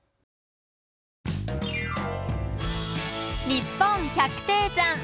「にっぽん百低山」。